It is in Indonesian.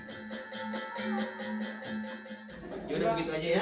ya udah begitu aja ya